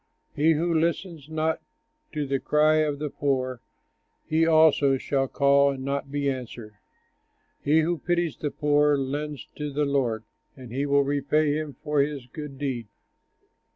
He who listens not to the cry of the poor, He also shall call and not be answered. He who pities the poor, lends to the Lord And he will repay him for his good deed.